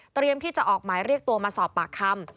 ที่จะออกหมายเรียกตัวมาสอบปากคำ